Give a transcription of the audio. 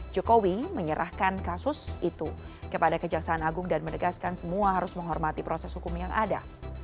jokowi menyerahkan kasus itu kepada kejaksaan agung dan menegaskan semua harus menghormati proses hukum yang ada